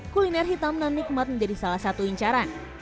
kuliner hitam dan nikmat menjadi salah satu incaran